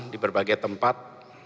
di berbagai tempat